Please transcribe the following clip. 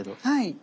はい。